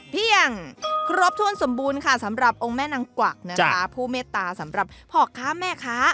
เพียงครบถ้วนสมบูรณ์ค่ะสำหรับองค์แม่นางกวักนะคะผู้เมตตาสำหรับพ่อค้าแม่ค้า